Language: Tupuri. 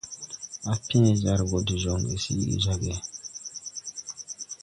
Á pẽẽ jar gɔ de jɔŋge siigi jag.